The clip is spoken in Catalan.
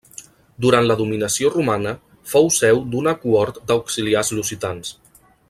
Durant la dominació romana fou seu d'una cohort d'auxiliars lusitans.